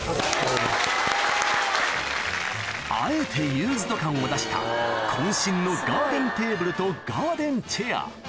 あえてユーズド感を出した渾身のガーデンテーブルとガーデンチェア